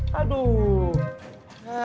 kalian tidak sadar itu kah